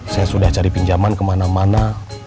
saya sudah cari pinjaman kemana mana